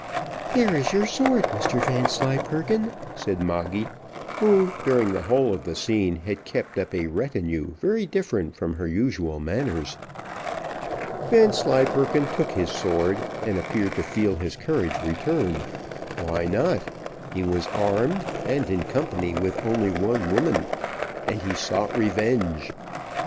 "There is your sword, Mr Vanslyperken," said Moggy; who, during the whole of the scene, had kept up a retenue very different from her usual manners. Vanslyperken took his sword, and appeared to feel his courage return why not? he was armed, and in company with only one woman, and he sought revenge.